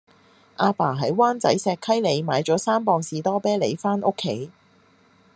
亞爸喺灣仔石溪里買左三磅士多啤梨返屋企